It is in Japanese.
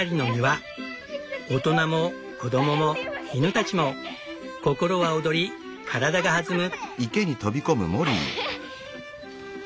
大人も子供も犬たちも心は躍り体が弾む。